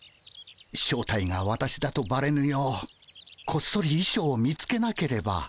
正体が私だとばれぬようこっそりいしょうを見つけなければ。